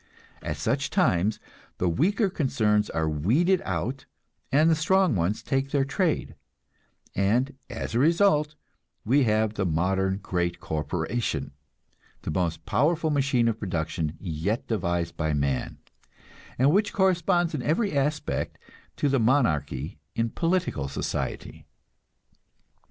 At such times the weaker concerns are weeded out and the strong ones take their trade; and as a result, we have the modern great corporation, the most powerful machine of production yet devised by man, and which corresponds in every aspect to the monarchy in political society.